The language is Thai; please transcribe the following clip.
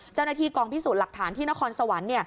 เจ้าหน้าที่กองพิสูจน์หลักฐานที่นครสวรรค์